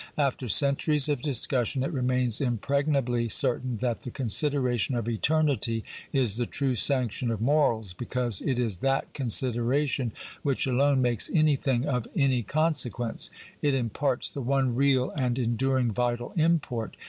After centuries of discussion it remains impregnably certain that the consideration of eternity is the true sanction of morals, because it is that consideration which alone makes anything of any con sequence. It imparts the one real and enduring vital import.